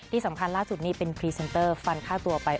ที่สำคัญล่าสุดนี่เป็นพรีเซนเตอร์ฟันค่าตัวไป